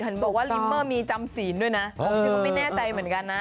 เห็นบอกว่าลิมเมอร์มีจำศีลด้วยนะผมคิดว่าไม่แน่ใจเหมือนกันนะ